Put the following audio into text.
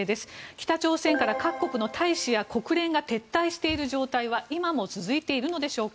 北朝鮮から各国の大使や国連が撤退している状態は今も続いているのでしょうか。